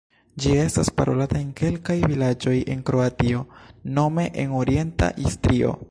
Ĝi estas parolata en kelkaj vilaĝoj en Kroatio nome en orienta Istrio.